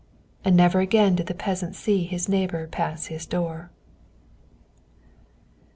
And never again did the peasant see his neighbor pass his door.